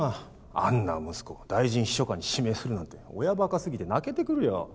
あんな息子を大臣秘書官に指名するなんて親ばかすぎて泣けてくるよ。